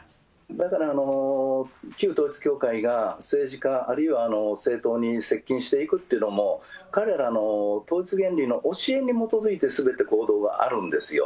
だから旧統一教会が政治家、あるいは政党に接近していくっていうのも、彼らの統一原理の教えに基づいてすべて行動はあるんですよ。